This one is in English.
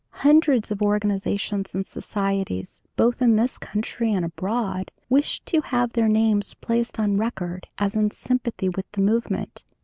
"Hundreds of organizations and societies, both in this country and abroad, wished to have their names placed on record as in sympathy with the movement.